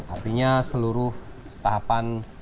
artinya seluruh tahapan